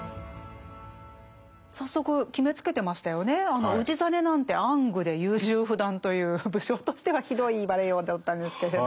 あの氏真なんて暗愚で優柔不断という武将としてはひどい言われようだったんですけれど。